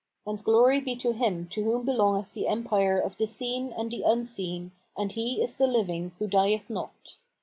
And glory be to Him to whom belongeth the empire of the Seen and the Unseen and He is the Living, who dieth not!